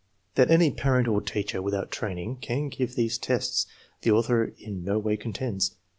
That any parent or teacher, without training* can give these tests, the author in no way contends.